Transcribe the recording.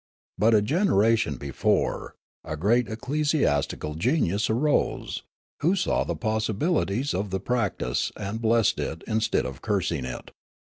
But a generation before, a great ecclesiastical genius arose, who saw the possibilities of the practice, and blessed it instead of cursing it.